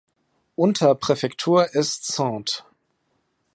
Unterpräfektur ist Saintes.